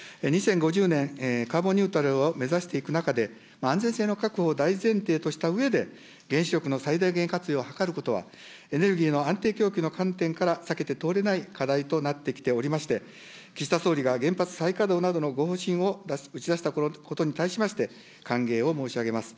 ２０５０年、カーボンニュートラルを目指していく中で、安全性の確保を大前提としたうえで、原子力の最大限活用を図ることは、エネルギーの安定供給の観点から避けて通れない課題となってきておりまして、岸田総理が原発再稼働などのご方針を打ち出したことに対しまして、歓迎を申し上げます。